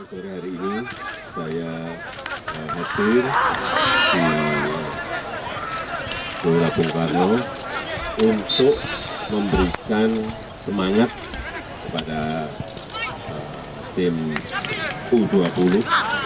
sore hari ini saya hadir di gelora bung karno untuk memberikan semangat kepada tim u dua puluh